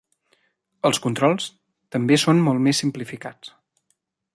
Els controls també són molt més simplificats.